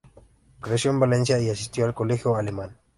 Creció en Valencia y asistió al Colegio Alemán.